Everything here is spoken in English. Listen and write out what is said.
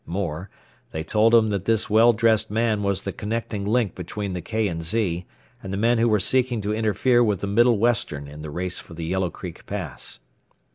More, they told him that this well dressed man was the connecting link between the K. & Z. and the men who were seeking to interfere with the Middle Western in the race for the Yellow Creek Pass.